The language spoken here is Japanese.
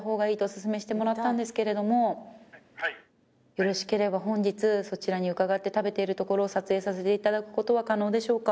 よろしければ本日そちらに伺って食べているところを撮影させていただくことは可能でしょうか？